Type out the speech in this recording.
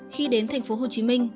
khi đến tp hcm